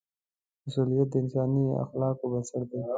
مسؤلیت د انساني اخلاقو بنسټ دی.